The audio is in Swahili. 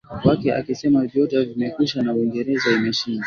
wake akisema viota vimekwisha na Uingereza imeshinda